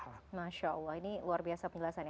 itu adalah kebiasaan yang luar biasa